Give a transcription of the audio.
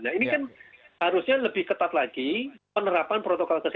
nah ini kan harusnya lebih ketat lagi penerapan protokol kesehatan